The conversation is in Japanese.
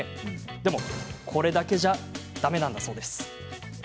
でも、これだけじゃダメなんだそうです。